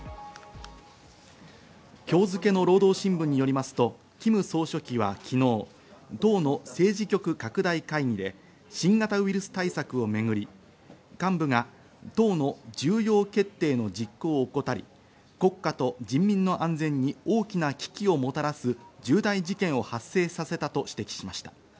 今日付の労働新聞によりますと、キム総書記は昨日、党の政治局拡大会議で、新型ウイルス対策をめぐり、幹部が党の重要決定の実行を怠り、国家と人民の安全に大きな危機をもたらす重大事件を発生させたと指摘しました。